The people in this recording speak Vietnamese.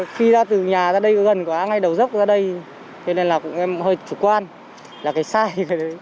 khi ra từ nhà ra đây gần ngay đầu dốc ra đây thế nên là cũng em hơi chủ quan là cái sai